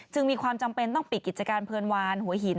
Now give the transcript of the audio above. มีความจำเป็นต้องปิดกิจการเพลินวานหัวหิน